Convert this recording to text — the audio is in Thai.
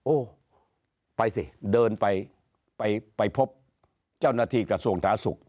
โอ้ไปสิเดินไปไปพบเจ้าหน้าที่กระทรวงท้าสุข